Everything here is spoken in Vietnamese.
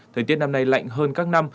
thời tiết năm nay lạnh hơn các năm